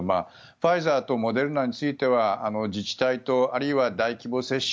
ファイザーとモデルナについては自治体とあるいは大規模接種